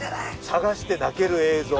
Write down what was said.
探して泣ける映像。